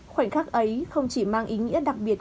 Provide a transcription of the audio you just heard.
khoảnh khắc ấy không chỉ mang ý nghĩa đặc biệt